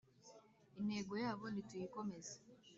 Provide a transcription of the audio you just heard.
Intego yabo nituyikomeze